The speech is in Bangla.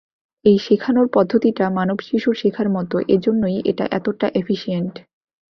এই শেখানোর পদ্ধতিটা মানব শিশুর শেখার মত, এজন্যই এটা এতটা এফিশিয়েন্ট!